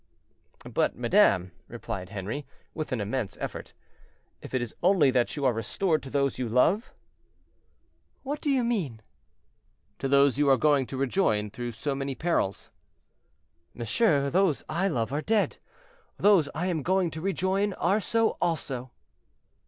"But, madame," replied Henri, with an immense effort, "if it is only that you are restored to those you love?" "What do you mean?" "To those you are going to rejoin through so many perils." "Monsieur, those I loved are dead! those I am going to rejoin are so also."